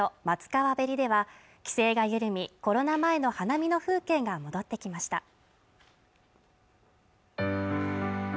松川べりでは規制が緩みコロナ前の花見の風景が戻ってきました